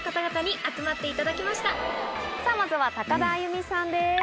さぁまずは高田あゆみさんです。